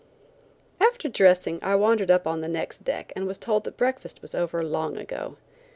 After dressing I wandered up on the next deck and was told that breakfast was over long ago.